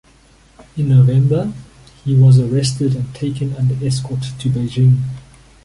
In November, he was arrested and taken under escort to Beijing.